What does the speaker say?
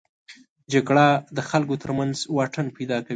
جګړه د خلکو تر منځ واټن پیدا کوي